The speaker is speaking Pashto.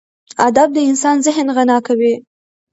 ادب د انسان ذهن غنا کوي.